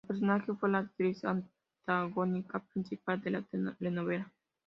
Su personaje fue la Actriz Antagónica Principal de la Telenovela